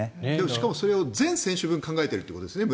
しかもそれを全選手分考えてるってことですよね。